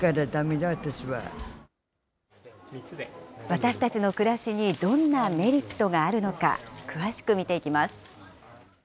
私たちの暮らしにどんなメリットがあるのか、詳しく見ていきます。